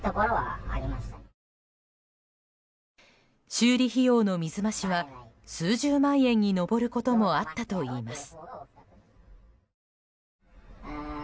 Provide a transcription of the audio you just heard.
修理費用の水増しは数十万円に上ることもあったといいます。